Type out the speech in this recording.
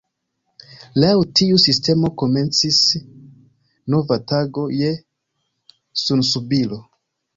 Laŭ tiu sistemo komencis nova tago je sunsubiro.